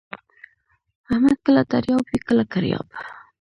احمد کله دریاب وي کله کریاب.